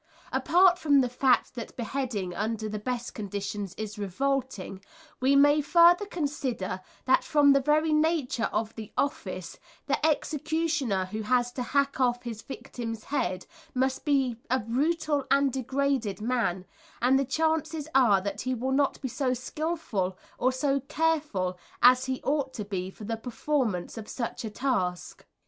Apart from the fact that beheading under the best conditions is revolting, we must further consider that from the very nature of the office, the executioner who has to hack off his victim's head must be a brutal and degraded man, and the chances are that he will not be so skilful or so careful as he ought to be for the performance of such a task.